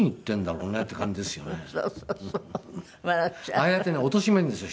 ああやってねおとしめるんですよ